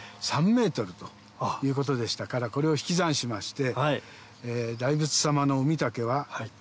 ということでしたからこれを引き算しまして。